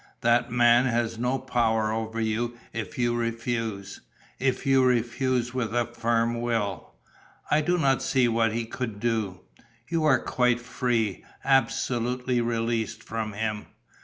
"That man has no power over you if you refuse, if you refuse with a firm will. I do not see what he could do. You are quite free, absolutely released from him.